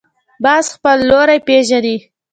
باز خپل لوری پېژني